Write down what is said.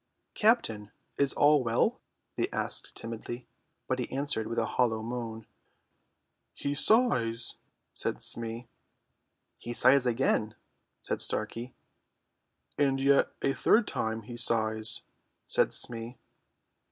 "Captain, is all well?" they asked timidly, but he answered with a hollow moan. "He sighs," said Smee. "He sighs again," said Starkey. "And yet a third time he sighs," said Smee.